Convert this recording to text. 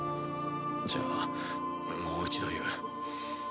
じゃあもう一度言う。